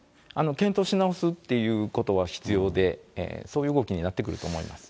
検討し直すっていうことは必要で、そういう動きになってくると思います。